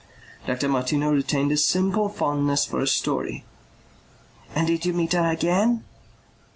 Dr. Martineau retained a simple fondness for a story. "And did you meet her again?"